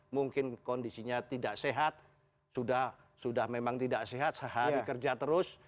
mungkin kondisinya tidak sehat sudah memang tidak sehat sehari kerja terus